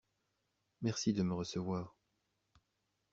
Merci de me recevoir.